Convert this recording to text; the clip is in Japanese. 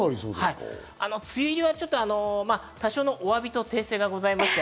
梅雨入りは多少のお詫びと訂正があります。